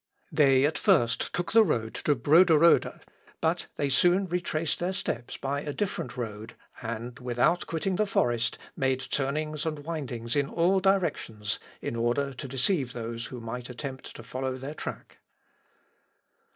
They at first took the road to Broderode, but they soon retraced their steps by a different road, and without quitting the forest, made turnings and windings in all directions, in order to deceive those who might attempt to follow their track.